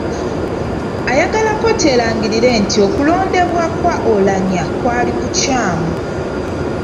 Ayagala kkooti erangirire nti okulondebwa kwa Oulanyah kwali kukyamu .